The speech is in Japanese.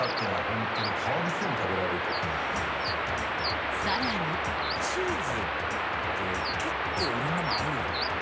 本当にさらにチーズって結構いろんなもの合うじゃない。